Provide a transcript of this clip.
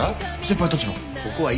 先輩たちは？